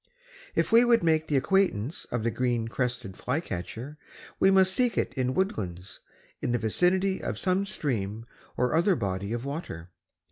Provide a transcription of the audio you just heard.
If we would make the acquaintance of the Green crested Flycatcher, we must seek it in woodlands in the vicinity of some stream or other body of water.